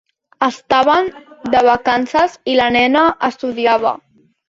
Estaven de vacances i la nena estudiava.